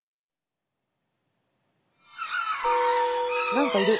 何かいる。